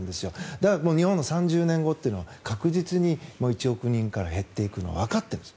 だから日本の３０年後というのは確実に１億人から減っていくのはわかっています。